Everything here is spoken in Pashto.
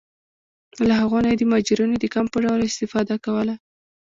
له هغو نه یې د مهاجرینو د کمپ په ډول استفاده کوله.